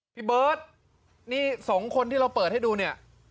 พี่เบิร์ตนี่สองคนที่เราเปิดให้ดูเนี่ย